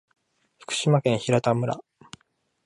福島県平田村